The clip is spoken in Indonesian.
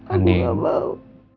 aku gak mau